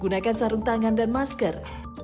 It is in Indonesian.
gunakan sarung tangan dan masker